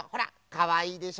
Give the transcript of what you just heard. かわいいでしょ。